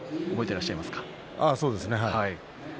そうですね。